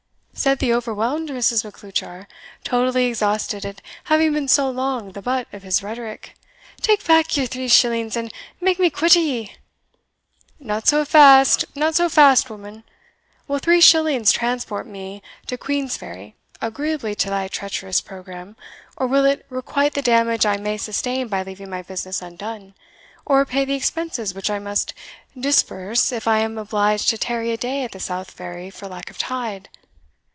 said the overwhelmed Mrs. Macleuchar, totally exhausted at having been so long the butt of his rhetoric, "take back your three shillings, and make me quit o' ye." "Not so fast, not so fast, woman Will three shillings transport me to Queensferry, agreeably to thy treacherous program? or will it requite the damage I may sustain by leaving my business undone, or repay the expenses which I must disburse if I am obliged to tarry a day at the South Ferry for lack of tide?